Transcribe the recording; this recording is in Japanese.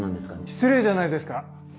失礼じゃないですか。